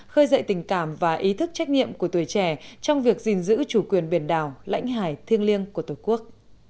khơi dậy tình cảm và ý thức trách nhiệm của tuổi trẻ trong việc gìn giữ chủ quyền biển đảo lãnh hải thiêng liêng của tổ quốc